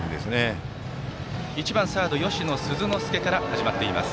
バッターは１番サード吉野鈴之助から始まっています。